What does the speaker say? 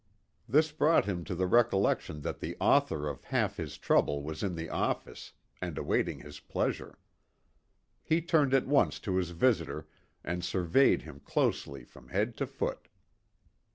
This brought him to the recollection that the author of half his trouble was in the office, and awaiting his pleasure. He turned at once to his visitor, and surveyed him closely from head to foot.